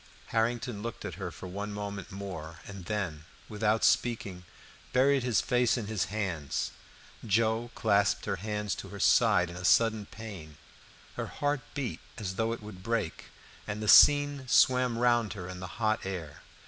Harrington looked at her for one moment more, and then, without speaking, buried his face in his hands. Joe clasped her hands to her side in a sudden pain; her heart beat as though it would break, and the scene swam round before her in the hot air.